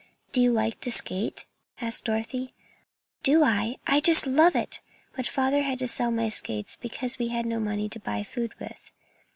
"Do you like to skate?" asked Dorothy. "Do I! I just love it; but father had to sell my skates because he had no money to buy food with."